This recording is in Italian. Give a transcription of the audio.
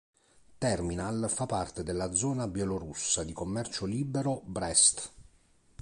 Terminal fa parte della zona bielorussa di commercio libero "Brėst".